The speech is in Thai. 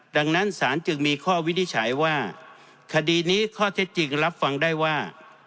ดังนั้นศาลจึงมีข้อวินิจฉัยว่าคดีนี้ข้อเท็จจริงรับฟังได้ว่า